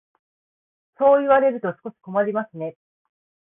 そう言われると少し困りますね。